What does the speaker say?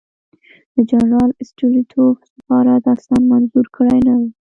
د جنرال سټولیتوف سفارت اصلاً منظور کړی نه وو.